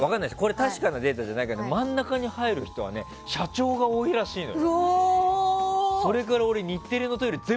確かなデータではないんだけど真ん中に入る人は社長が多いらしいのよ。